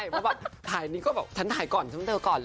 ใช่เหมือนแบบแล้วดูรู้ป่ะฉันถ่ายก่อนฉันเตอร์ก่อน